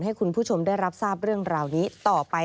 ให้คุณผู้ชมได้รับทราบเรื่องราวนี้ต่อไป